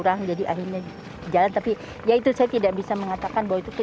tapi sebenarnya kena alamnya pak jadi akhirnya jalan tapi ya itu saya tidak bisa mengatakan bahwa itu kena apa